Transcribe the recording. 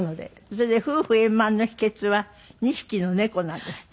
それで夫婦円満の秘訣は２匹の猫なんですって？